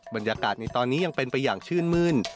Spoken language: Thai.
บรรยากาศในตอนนี้ยังเป็นไปอย่างชื่นมื้น